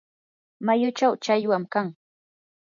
mayuchaw challwam kan.